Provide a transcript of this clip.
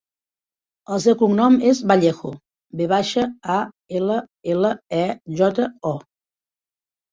El seu cognom és Vallejo: ve baixa, a, ela, ela, e, jota, o.